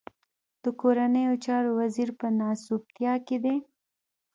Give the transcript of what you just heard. د کورنيو چارو وزير په ناسوبتيا کې دی.